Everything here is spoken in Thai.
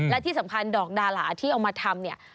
และที่สำคัญดอกดาราที่เอามาทำเนี่ย